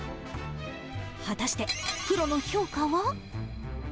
果たして、プロの評価は？